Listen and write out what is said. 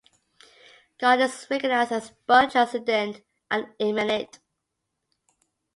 God is recognized as both transcendent and immanent.